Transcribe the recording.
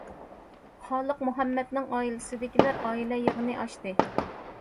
خالىق مۇھەممەدنىڭ ئائىلىسىدىكىلەر ئائىلە يىغىنى ئاچتى.